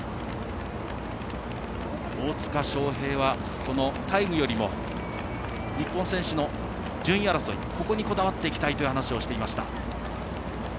大塚祥平は、このタイムよりも日本選手の順位争いここにこだわっていきたいという話をしていました。